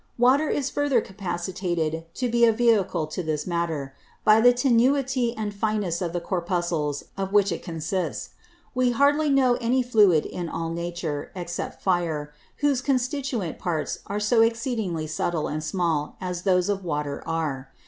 Water is further capacitated to be a Vehicle to this Matter, by the tenuity and fineness of the Corpuscles of which it consists. We hardly know any Fluid in all Nature, except Fire, whose constituent Parts are so exceeding subtle and small as those of Water are.